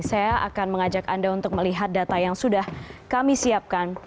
saya akan mengajak anda untuk melihat data yang sudah kami siapkan